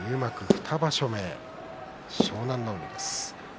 ２場所目の湘南乃海です。